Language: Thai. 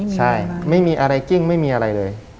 ใช่ไม่มีอะไรกิ้งไม่มีอะไรเลย